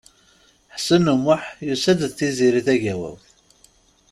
Ḥsen U Muḥ yusa-d d Tiziri Tagawawt.